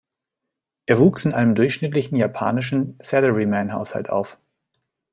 Er wuchs in einem durchschnittlichen japanischen Salaryman-Haushalt auf.